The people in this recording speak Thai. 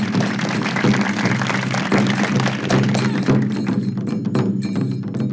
ไม่เอาสองเบอร์